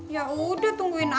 ya udah tungguin aja